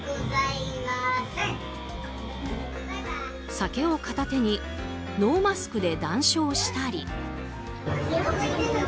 酒を片手にノーマスクで談笑したり。